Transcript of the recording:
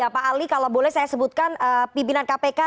pak ali kalau boleh saya sebutkan pimpinan kpk